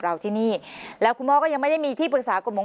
เราที่นี่แล้วคุณพ่อก็ยังไม่ได้มีที่ปรึกษากฎหมาย